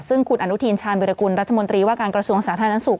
ซึ่งคุณอนุทินชาญวิรากุลรัฐมนตรีว่าการกระทรวงสาธารณสุข